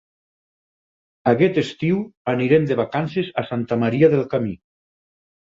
Aquest estiu anirem de vacances a Santa Maria del Camí.